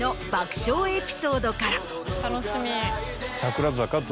楽しみ。